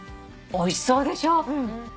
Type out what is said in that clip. おいしそうでしょ？